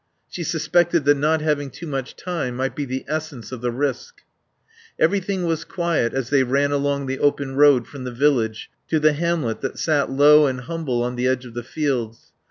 She suspected that not having too much time might be the essence of the risk. Everything was quiet as they ran along the open road from the village to the hamlet that sat low and humble on the edge of the fields.